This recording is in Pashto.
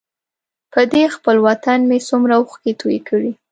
په دې خپل وطن مې څومره اوښکې توی کړې.